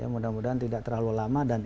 mudah mudahan tidak terlalu lama